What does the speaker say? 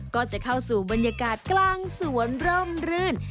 ก็จะเข้าสู่บรรยากาศกลางสวนร่มรื่น